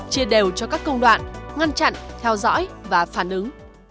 chia đều cho các công đoạn ngăn chặn theo dõi và phản ứng